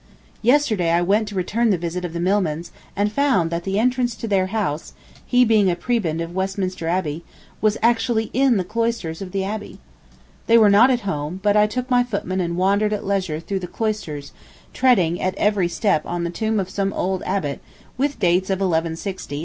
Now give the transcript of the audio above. Yesterday I went to return the visit of the Milmans and found that the entrance to their house, he being a prebend of Westminster Abbey, was actually in the cloisters of the Abbey. They were not at home, but I took my footman and wandered at leisure through the cloisters, treading at every step on the tomb of some old abbot with dates of 1160 and thereabouts.